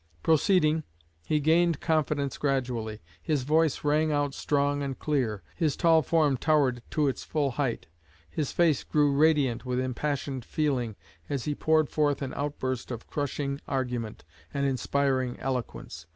Proceeding, he gained confidence gradually; his voice rang out strong and clear; his tall form towered to its full height; his face grew radiant with impassioned feeling, as he poured forth an outburst of crushing argument and inspiring eloquence.